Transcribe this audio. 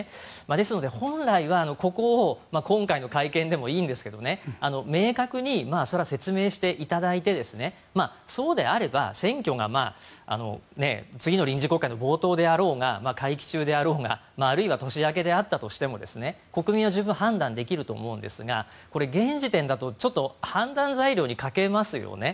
ですので本来はここを今回の会見でもいいんですけど明確にそれは説明していただいてそうであれば選挙が次の臨時国会の冒頭であろうが会期中であろうがあるいは年明けであったとしても国民は十分判断できると思うんですがこれ、現時点だと判断材料に欠けますよね。